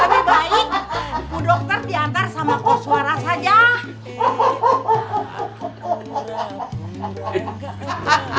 yang ini lagi